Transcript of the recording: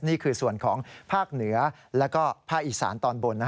นี่คือส่วนของภาคเหนือและภาคอีสานตอนบน